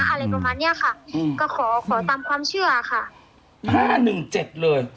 อะไรประมาณเนี้ยค่ะอืมก็ขอขอตามความเชื่อค่ะห้าหนึ่งเจ็ดเลย